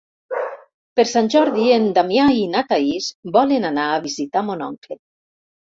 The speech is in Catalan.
Per Sant Jordi en Damià i na Thaís volen anar a visitar mon oncle.